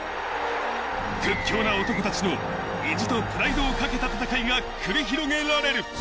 屈強な男たちの意地とプライドを懸けた戦いが繰り広げられる。